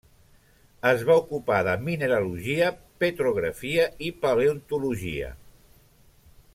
Es va ocupar de mineralogia, petrografia i paleontologia.